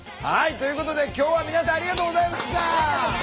ということで今日は皆さんありがとうございました！